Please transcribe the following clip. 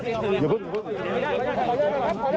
โชว์บ้านในพื้นที่เขารู้สึกยังไงกับเรื่องที่เกิดขึ้น